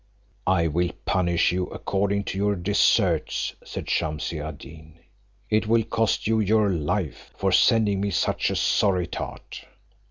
"I will punish you according to your deserts," said Shumse ad Deen, "it shall cost you your life, for sending me such a sorry tart."